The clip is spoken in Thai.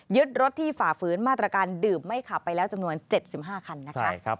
ยึดรถที่ฝ่าฝืนมาตรการดื่มไม่ขับไปแล้วจำนวน๗๕คันนะคะ